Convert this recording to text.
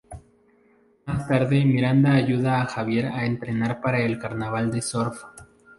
Más tarde Miranda ayuda a Xavier a entrenar para el carnaval del surf.